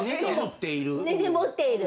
根に持っている？